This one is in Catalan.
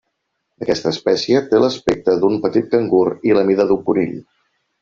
Aquesta espècie té l'aspecte d'un petit cangur i la mida d'un conill.